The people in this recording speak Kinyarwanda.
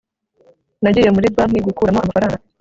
nagiye muri banki gukuramo amafaranga